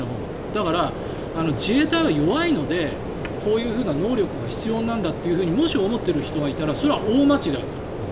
だから、自衛隊は弱いのでこういう能力が必要なんだってもし思っている人がいたらそれは大間違いだから。